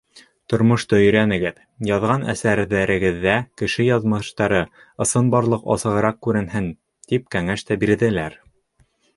Тормошто өйрәнегеҙ, яҙған әҫәрҙәрегеҙҙә кеше яҙмыштары, ысынбарлыҡ асығыраҡ күренһен, тип кәңәш тә бирҙеләр.